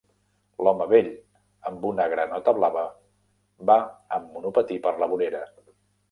L'home vell amb una granota blava va amb monopatí per la vorera.